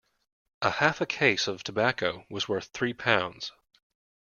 A half a case of tobacco was worth three pounds.